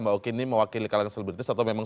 mbak oki ini mewakili kalangan selebritis atau memang